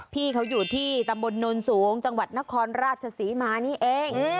พี่เขาอยู่ที่ตำบลโนนสูงจังหวัดนครราชศรีมานี่เอง